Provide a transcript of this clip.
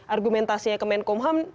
argumentasinya kemen kum ham